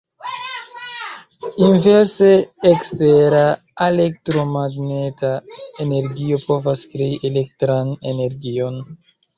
Inverse, ekstera elektromagneta energio povas krei elektran energion.